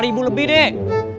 lima ribu lebih dek